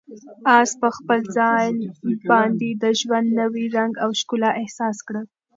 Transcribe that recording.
آس په خپل ځان باندې د ژوند نوی رنګ او ښکلا احساس کړه.